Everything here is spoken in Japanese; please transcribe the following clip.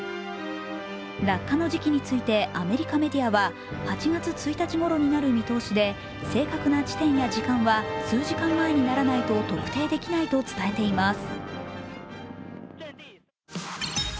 落下の時期についてアメリカメディアは、８月１日ごろになる見通しで正確な地点や時間は数時間前にならないと特定できないと伝えています。